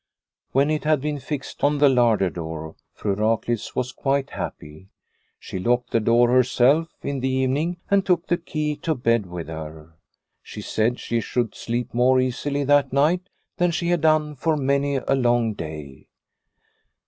When it had been fixed on the larder door Fru Raklitz was quite happy. She locked the door herself in the evening and took the key to bed with her. She said she should sleep more easily that night than she had done for many a long day.